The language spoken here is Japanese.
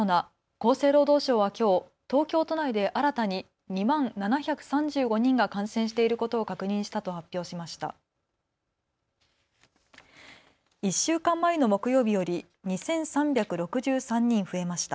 厚生労働省はきょう東京都内で新たに２万７３５人が感染していることを確認したと発表しました。